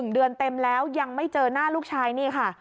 ๑เดือนเต็มแล้วยังไม่เจอหน้าลูกชายนี่ค่ะ